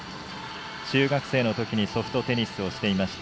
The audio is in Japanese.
中学生のころにソフトテニスをしていました。